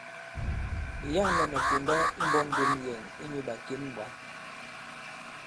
Ɓe yâklɛ mɛ̀ konda imbɔk ndom yɛ̀n inyū ɓàkěn ɓwǎ.